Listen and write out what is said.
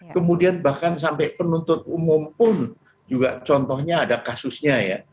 kemudian bahkan sampai penuntut umum pun juga contohnya ada kasusnya ya